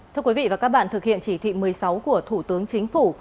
thưa quý vị và các bạn thực hiện chỉ thị một mươi sáu của thủ tướng chính phủ